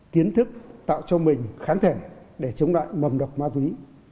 kiến thức tạo cho mình kháng thể để chống lại mầm độc ma túy